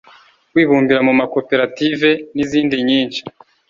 kwibumbira mu makoperative n’izindi nyinshi